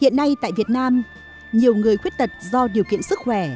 hiện nay tại việt nam nhiều người khuyết tật do điều kiện sức khỏe